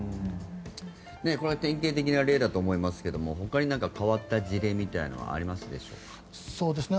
これは典型的な例だと思いますがほかに変わった事例とかはありますでしょうか。